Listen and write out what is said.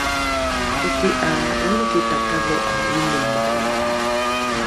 toki ’a omiki takadho’a inemai